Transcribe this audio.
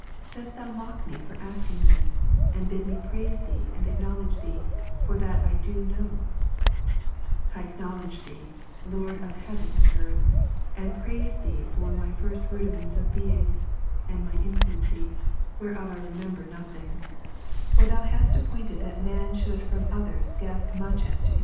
Dost Thou mock me for asking this, and bid me praise Thee and acknow ledge Thee, for that I do know ? 10. I acknowledge Thee, Lord of heaven and earth, and praise Thee for my first rudiments of being, and my infancy, whereof I remember nothing ; for Thou hast ajopointed that man should from others guess much as to himself; and believe much on the strength of weak females.